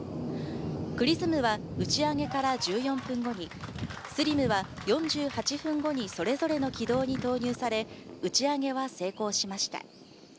ＸＲＩＳＭは打ち上げから１４分後に、ＳＬＩＭは４８分後にそれぞれの軌道に投入され、打ち上げは成功しました。